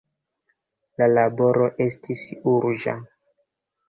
La laboro estis urĝa.